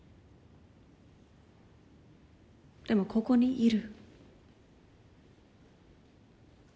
でもここにいる。